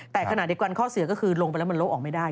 แต่ขณะเดียวกันข้อเสียก็คือลงไปแล้วมันโละออกไม่ได้